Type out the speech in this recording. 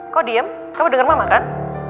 kau diem kamu denger mama kan